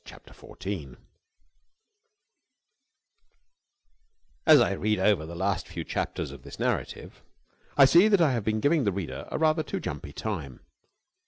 CHAPTER FOURTEEN As I read over the last few chapters of this narrative, I see that I have been giving the reader a rather too jumpy time.